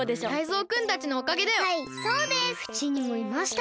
うちにもいました。